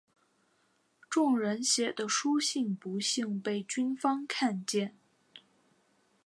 众人写的书信不幸被军方看见。